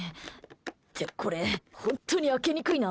ってこれ、本当に開けにくいな。